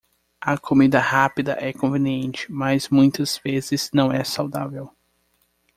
A comida rápida é conveniente, mas muitas vezes não é saudável.